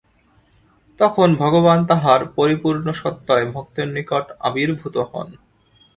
তখন ভগবান তাঁহার পরিপূর্ণ সত্তায় ভক্তের নিকট আবির্ভূত হন।